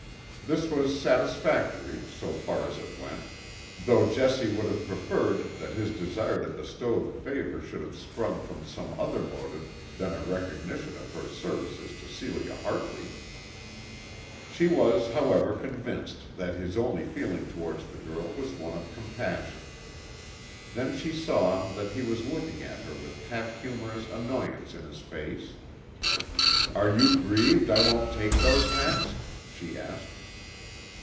This was satisfactory, so far as it went, though Jessie would have preferred that his desire to bestow the favour should have sprung from some other motive than a recognition of her services to Celia Hartley. She was, however, convinced that his only feeling towards the girl was one of compassion. Then she saw that he was looking at her with half humorous annoyance in his face. "Are you grieved I won't take those hats?" she asked.